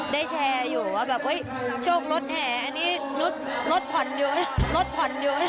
ได้แชร์อยู่โชกลดแห่นี่นุ๊ตลดผ่อนอยู่